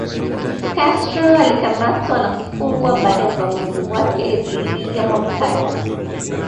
Castro alikamatwa na kufungwa baada ya uvamizi wake dhidi ya Moncada